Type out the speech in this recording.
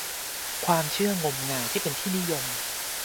ความเชื่องมงายที่เป็นที่นิยม